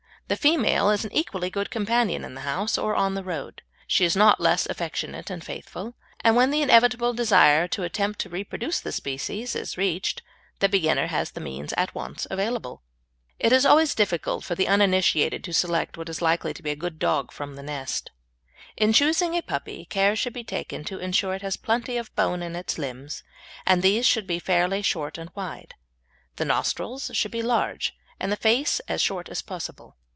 The female is an equally good companion in the house or on the road; she is not less affectionate and faithful; and when the inevitable desire to attempt to reproduce the species is reached the beginner has the means at once available. It is always difficult for the uninitiated to select what is likely to be a good dog from the nest. In choosing a puppy care should be taken to ensure it has plenty of bone in its limbs, and these should be fairly short and wide; the nostrils should be large and the face as short as possible.